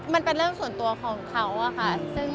มันเป็นเรื่องส่วนตัวของเขาอะค่ะ